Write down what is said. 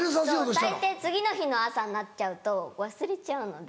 大抵次の日の朝になっちゃうと忘れちゃうので。